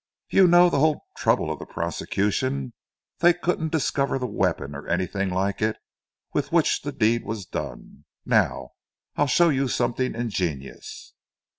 "You know the whole trouble of the prosecution. They couldn't discover the weapon, or anything like it, with which the deed was done. Now I'll show you something ingenious."